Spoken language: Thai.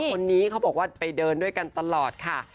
คนนี้เขาบอกว่าไปเดินด้วยกันตลอดค่ะ